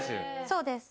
そうです。